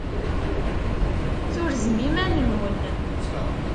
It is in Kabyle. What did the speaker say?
Turzem iman-nwen.